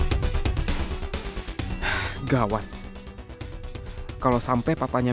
merupakan masalah pemerintah luar negara